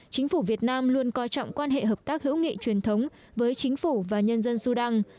chính phủ việt nam luôn coi trọng quan hệ hợp tác hữu nghị truyền thống với chính phủ và nhân dân sudan